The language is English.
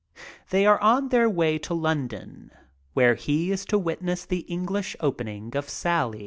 They are on their way to London, where he is to witness the English opening of "Sally."